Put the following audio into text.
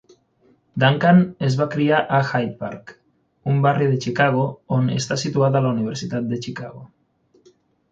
Duncan es va criar a Hyde Park, un barri de Chicago on està situada la Universitat de Chicago.